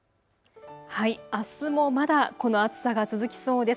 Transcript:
まだこの暑さが続きそうです。